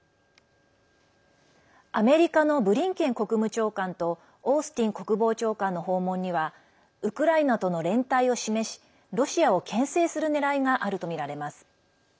アメリカのブリンケン国務長官とオースティン国防長官の訪問にはウクライナとの連帯を示しロシアをけん制するねらいがあるとみられます。